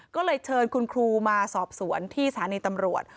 ก็เลยเชิญคุณครูมาสอบสวนที่สถานีตำรวจ